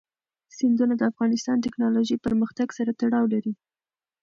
سیندونه د افغانستان د تکنالوژۍ پرمختګ سره تړاو لري.